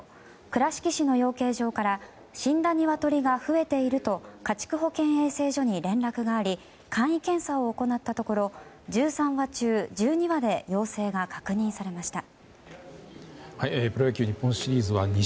倉敷市の養鶏場から死んだニワトリが増えていると家畜保健衛生所に連絡があり簡易検査を行ったところ１３羽中１２羽で陽性が確認されました。